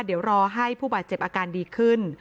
เดี๋ยวรอให้ผู้บาดเจ็บอาการดีขึ้น